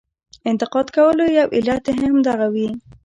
انتقاد کولو یو علت هم دغه وي.